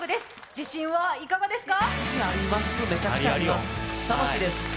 自信はいかがですか？